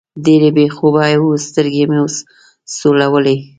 ډېر بې خوبه وو، سترګې مو سولولې.